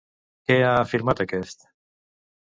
Què ha afirmat aquest?